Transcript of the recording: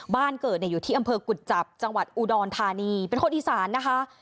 บ้านเกิดเนี่ยอยู่ที่อำเภอกุจจับจังหวัดอุดรธานีเป็นคนอีสานนะคะ